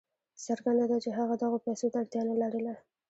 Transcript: څرګنده ده چې هغه دغو پیسو ته اړتیا نه لرله.